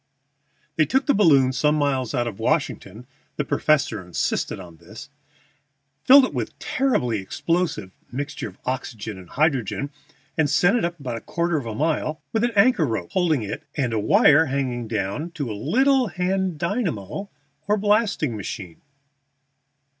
They took the balloon some miles out of Washington (the professor insisted on this), filled it with a terribly explosive mixture of oxygen and hydrogen, and sent it up about a quarter of a mile, with an anchor rope holding it and a wire hanging down to a little hand dynamo or blasting machine.